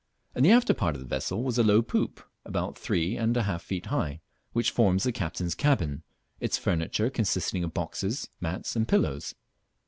In the after part of the vessel was a low poop, about three and a half feet high, which forms the captain's cabin, its furniture consisting of boxes, mats, and pillows.